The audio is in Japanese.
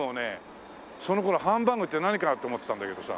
その頃ハンバーグって何かな？って思ってたんだけどさ。